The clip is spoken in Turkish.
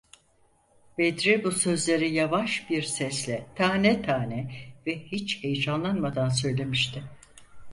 Bedri bu sözleri yavaş bir sesle, tane tane ve hiç heyecanlanmadan söylemişti.